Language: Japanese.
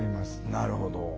なるほど。